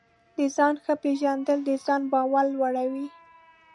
د ځان ښه پېژندل د ځان باور لوړوي.